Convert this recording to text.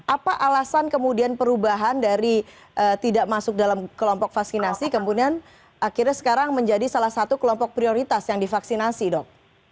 apa alasan kemudian perubahan dari tidak masuk dalam kelompok vaksinasi kemudian akhirnya sekarang menjadi salah satu kelompok prioritas yang divaksinasi dok